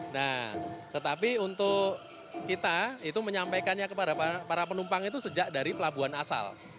nah tetapi untuk kita itu menyampaikannya kepada para penumpang itu sejak dari pelabuhan asal